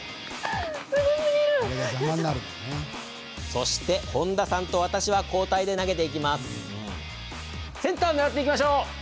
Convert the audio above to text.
そして、本田さんと私は交代で投げます。